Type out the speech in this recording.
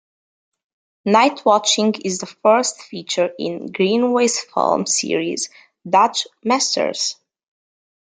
"Nightwatching" is the first feature in Greenaway's film series "Dutch Masters".